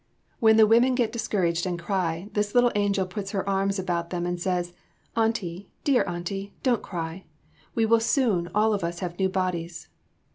When the women get discouraged and cry, this little angel puts her arms about them and says, "Auntie, dear Auntie, don't cry; we will soon, all of us, have new bodies."